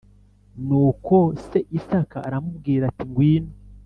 Nuko se Isaka aramubwira ati ngwino